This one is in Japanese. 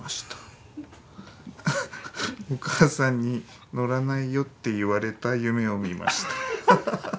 お母さんに乗らないよって言われた夢を見ました」。